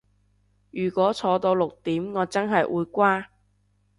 如果坐到六點我真係會瓜